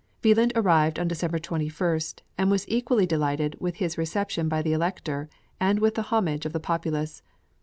Wieland arrived on December 21, and was equally delighted with his reception by the Elector and with the homage of the populace.